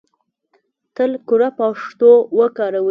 تل کره پښتو وکاروئ!